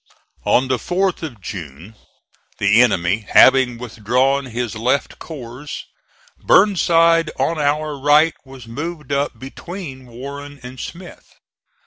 On the 4th of June the enemy having withdrawn his left corps, Burnside on our right was moved up between Warren and Smith.